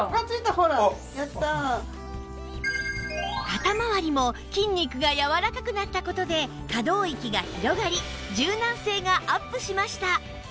肩まわりも筋肉がやわらかくなった事で可動域が広がり柔軟性がアップしました